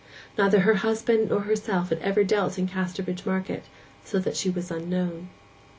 Neither her husband nor herself ever dealt in Casterbridge market, so that she was unknown.